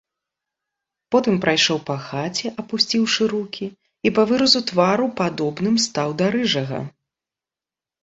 Потым прайшоў па хаце, апусціўшы рукі, і па выразу твару падобным стаў да рыжага.